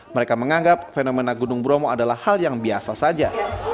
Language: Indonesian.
mereka menganggap fenomena gunung bromo adalah hal yang biasa saja